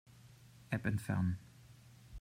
App entfernen.